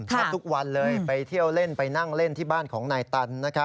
แทบทุกวันเลยไปเที่ยวเล่นไปนั่งเล่นที่บ้านของนายตัน